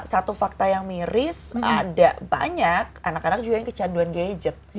satu fakta yang miris ada banyak anak anak juga yang kecanduan gadget